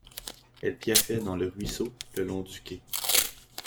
Elles piaffaient dans le ruisseau, le long du quai.